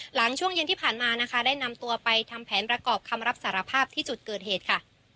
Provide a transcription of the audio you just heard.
หลังช่วงเย็นที่ผ่านมานะคะได้นำตัวไปทำแผนประกอบคำรับสารภาพที่จุดเกิดเหตุค่ะ